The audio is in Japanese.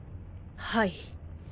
はい。